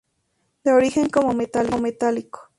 De origen como metálico.